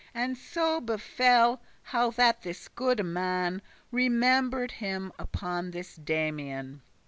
And so befell, how that this goode man Remember'd him upon this Damian.